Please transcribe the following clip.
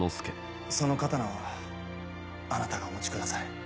その刀はあなたがお持ちくだ